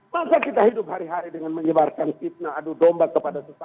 maka kita hidup hari hari dengan menyebarkan fitnah adu domba kepada sesama